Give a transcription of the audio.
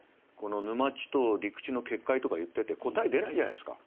沼地と陸地の結界とか言ってて答え出ないじゃないですか。